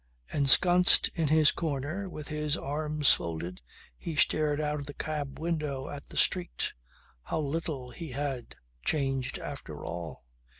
Ensconced in his corner, with his arms folded, he stared out of the cab window at the street. How little he was changed after all.